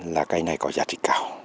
là cái này có giá trị cao